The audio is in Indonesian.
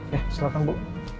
ya silahkan bu